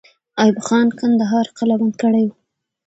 ایوب خان کندهار قلابند کړی وو.